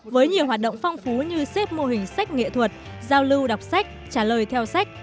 với nhiều hoạt động phong phú như xếp mô hình sách nghệ thuật giao lưu đọc sách trả lời theo sách